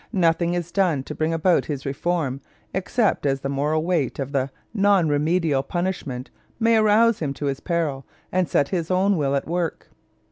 Nothing is done to bring about his reform except as the moral weight of the non remedial punishment may arouse him to his peril and set his own will at work.